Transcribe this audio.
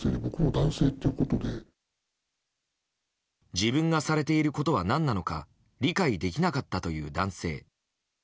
自分がされていることは何なのか理解できなかったという男性。